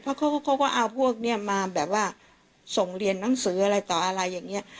เพราะเขาก็เอาพวกนี้มาแบบว่าส่งเรียนหนังสืออะไรต่ออะไรอย่างนี้